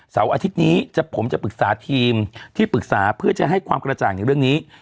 อาทิตย์นี้ผมจะปรึกษาทีมที่ปรึกษาเพื่อจะให้ความกระจ่างในเรื่องนี้